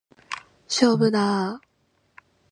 勝負だー！